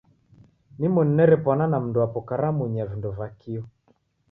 Nimoni nerepwana na mndwapo karamunyi ya vindo va kio.